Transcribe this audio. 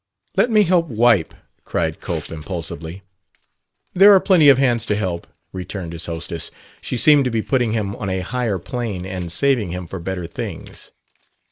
"Let me help wipe," cried Cope impulsively. "There are plenty of hands to help," returned his hostess. She seemed to be putting him on a higher plane and saving him for better things.